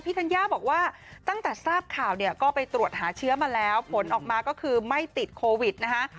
ธัญญาบอกว่าตั้งแต่ทราบข่าวเนี่ยก็ไปตรวจหาเชื้อมาแล้วผลออกมาก็คือไม่ติดโควิดนะคะ